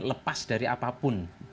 lepas dari apapun